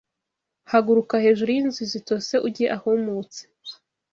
Haguruka hejuru y'inzu zitose ujye ahumutse